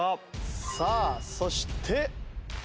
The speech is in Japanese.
さあそして。